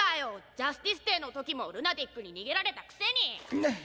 ジャスティスデーの時もルナティックに逃げられたくせにっ！